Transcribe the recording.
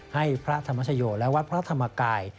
ให้พระธรรมชโยและวัดพระธรรมกาย